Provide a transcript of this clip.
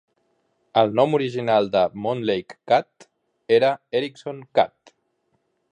El nom original de Montlake Cut era Erickson Cut.